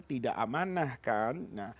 tidak amanah kan